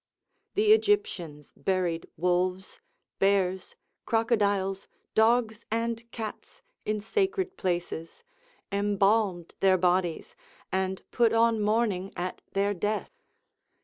The Egyptians buried wolves, bears, crocodiles, dogs, and cats in sacred places, embalmed their bodies, and put on mourning at their death.